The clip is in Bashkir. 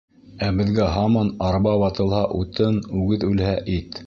Ә беҙгә һаман арба ватылһа — утын, үгеҙ үлһә — ит.